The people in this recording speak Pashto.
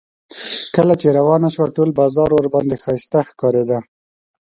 کله چې روانه شوه ټول بازار ورباندې ښایسته ښکارېده.